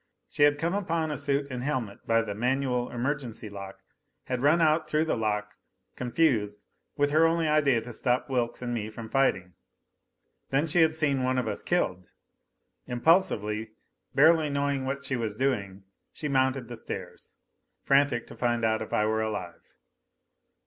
She had come upon a suit and helmet by the manual emergency lock, had run out through the lock, confused, with her only idea to stop Wilks and me from fighting. Then she had seen one of us killed. Impulsively, barely knowing what she was doing, she mounted the stairs, frantic to find if I were alive.